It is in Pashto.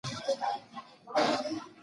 موږ په خپلو اړیکو کې واټن نه غواړو.